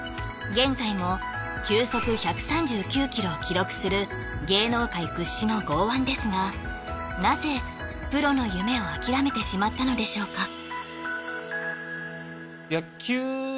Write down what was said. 現在も球速１３９ｋｍを記録する芸能界屈指の剛腕ですがなぜプロの夢を諦めてしまったのでしょうか？